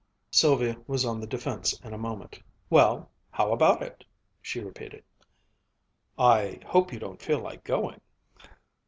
Sylvia was on the defense in a moment. "Well, how about it?" she repeated. "I hope you don't feel like going."